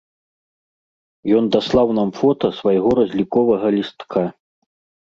Ён даслаў нам фота свайго разліковага лістка.